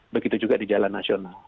begitu juga di jalan nasional